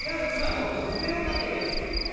もっと筆を立ててこう！